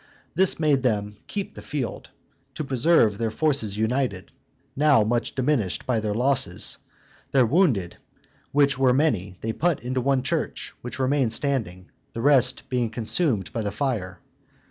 This made them keep the field, to preserve their forces united, now much diminished by their losses. Their wounded, which were many, they put into one church, which remained standing, the rest being consumed by the fire.